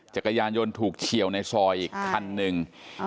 จักรยานยนต์ถูกเฉียวในซอยอีกคันหนึ่ง